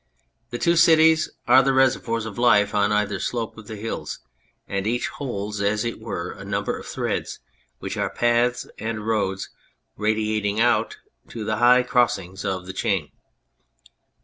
The two cities are the reservoirs of life on either slope of the hills, and each holds, as it were, a number of threads, which are paths and roads radiating out to the high crossings of the chain.